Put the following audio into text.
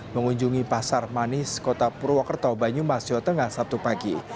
mengunjungi pasar manis kota purwokerto banyumas jawa tengah sabtu pagi